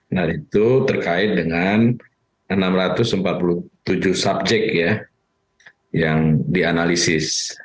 nah itu terkait dengan enam ratus empat puluh tujuh subjek ya yang dianalisis